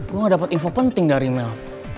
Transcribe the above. gue gak dapet info penting dari mel